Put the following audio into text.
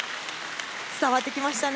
伝わってきましたね。